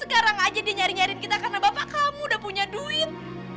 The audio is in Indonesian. sekarang aja dia nyari nyariin kita karena bapak kamu udah punya duit